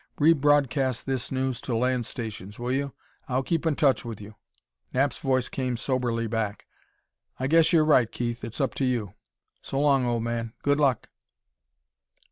Re broadcast this news to land stations, will you? I'll keep in touch with you." Knapp's voice came soberly back. "I guess you're right, Keith; it's up to you.... So long, old man. Good luck!"